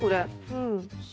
うん。